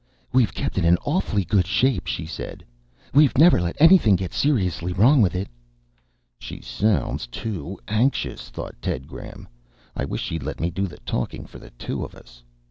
"We've kept it in awfully good shape," she said. "We've never let anything get seriously wrong with it." She sounds too anxious, thought Ted Graham. _I wish she'd let me do the talking for the two of us.